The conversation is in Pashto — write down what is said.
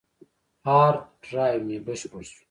هارد ډرایو مې بشپړ شو.